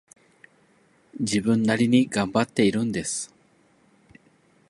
自分なりに頑張っているんです